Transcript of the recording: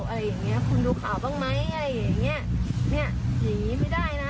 อะไรอย่างเงี้ยคุณดูข่าวบ้างไหมอะไรอย่างเงี้ยเนี้ยเนี้ยอย่างงี้ไม่ได้นะ